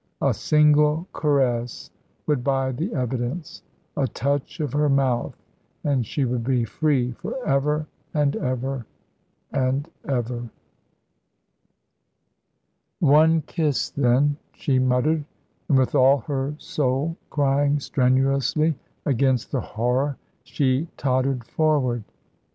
A single caress would buy the evidence; a touch of her mouth, and she would be free for ever and ever and ever. "One kiss, then," she muttered; and with all her soul crying strenuously against the horror, she tottered forward.